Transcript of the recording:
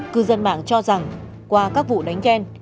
cư dân mạng cho rằng qua các vụ đánh ghen